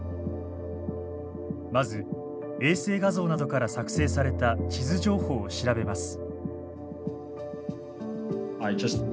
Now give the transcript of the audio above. まず衛星画像などから作成された地図情報を調べます。